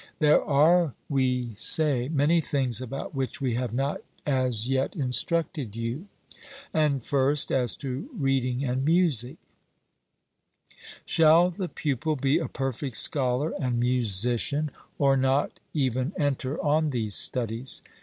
There are, we say, many things about which we have not as yet instructed you and first, as to reading and music: Shall the pupil be a perfect scholar and musician, or not even enter on these studies?